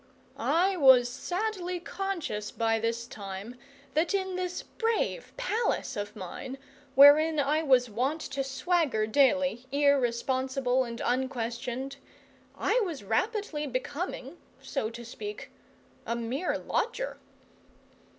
I was sadly conscious by this time that in this brave palace of mine, wherein I was wont to swagger daily, irresponsible and unquestioned, I was rapidly becoming so to speak a mere lodger.